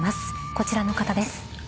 こちらの方です。